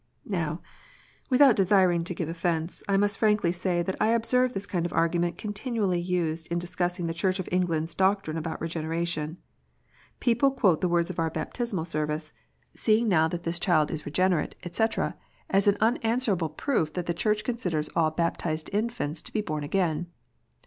" Now without desiring to give offence, I must frankly say that I observe this kind of argument continually used in dis cussing the Church of England s doctrine about Regeneration. People quote the words of our Baptismal Service, " 136 KNOTS UNTIED. that this child is regenerate," etc., as an unanswerable proof that the Church considers all baptized infants to be born again.